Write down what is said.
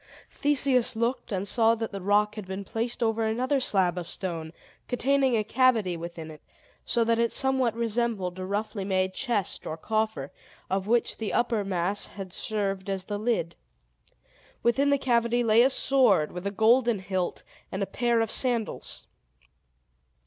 Theseus looked, and saw that the rock had been placed over another slab of stone, containing a cavity within it; so that it somewhat resembled a roughly made chest or coffer, of which the upper mass had served as the lid. Within the cavity lay a sword, with a golden hilt, and a pair of sandals.